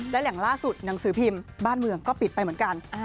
และแหล่งล่าสุดหนังสือพิมพ์บ้านเมืองก็ปิดไปเหมือนกัน